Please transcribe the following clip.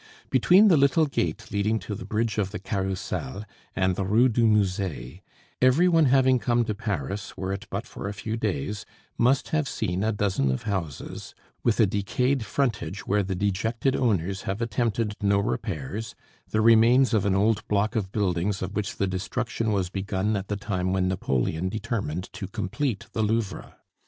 Between the little gate leading to the Bridge of the Carrousel and the Rue du Musee, every one having come to Paris, were it but for a few days, must have seen a dozen of houses with a decayed frontage where the dejected owners have attempted no repairs, the remains of an old block of buildings of which the destruction was begun at the time when Napoleon determined to complete the Louvre.